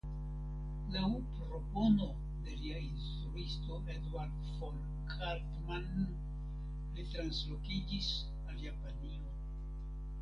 Laŭ propono de lia instruisto Eduard von Hartmann li translokiĝis al Japanio.